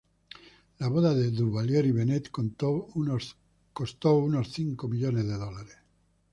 La boda de Duvalier y Bennett costó unos cinco millones de dólares.